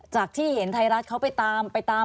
จากที่เห็นคุณไทยรัฐเขาไปตาม